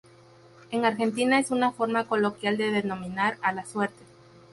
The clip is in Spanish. En Argentina es una forma coloquial de denominar a la suerte.